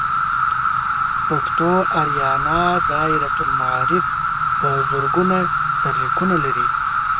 پښتو آریانا دایرة المعارف په زرګونه سرلیکونه لري.